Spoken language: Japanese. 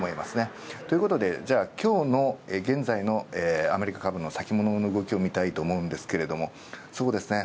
ということで、今日の現在のアメリカ株の先物の動きを見たいと思うが、そうですね。